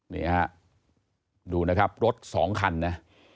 นี่ฮะดูนะครับรถสองคันนะ